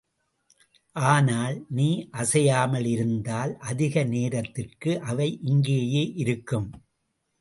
ஆனால், நீ அசையாமல் இருந்தால் அதிக நேரத்திற்கு அவை இங்கேயே இருக்கும்.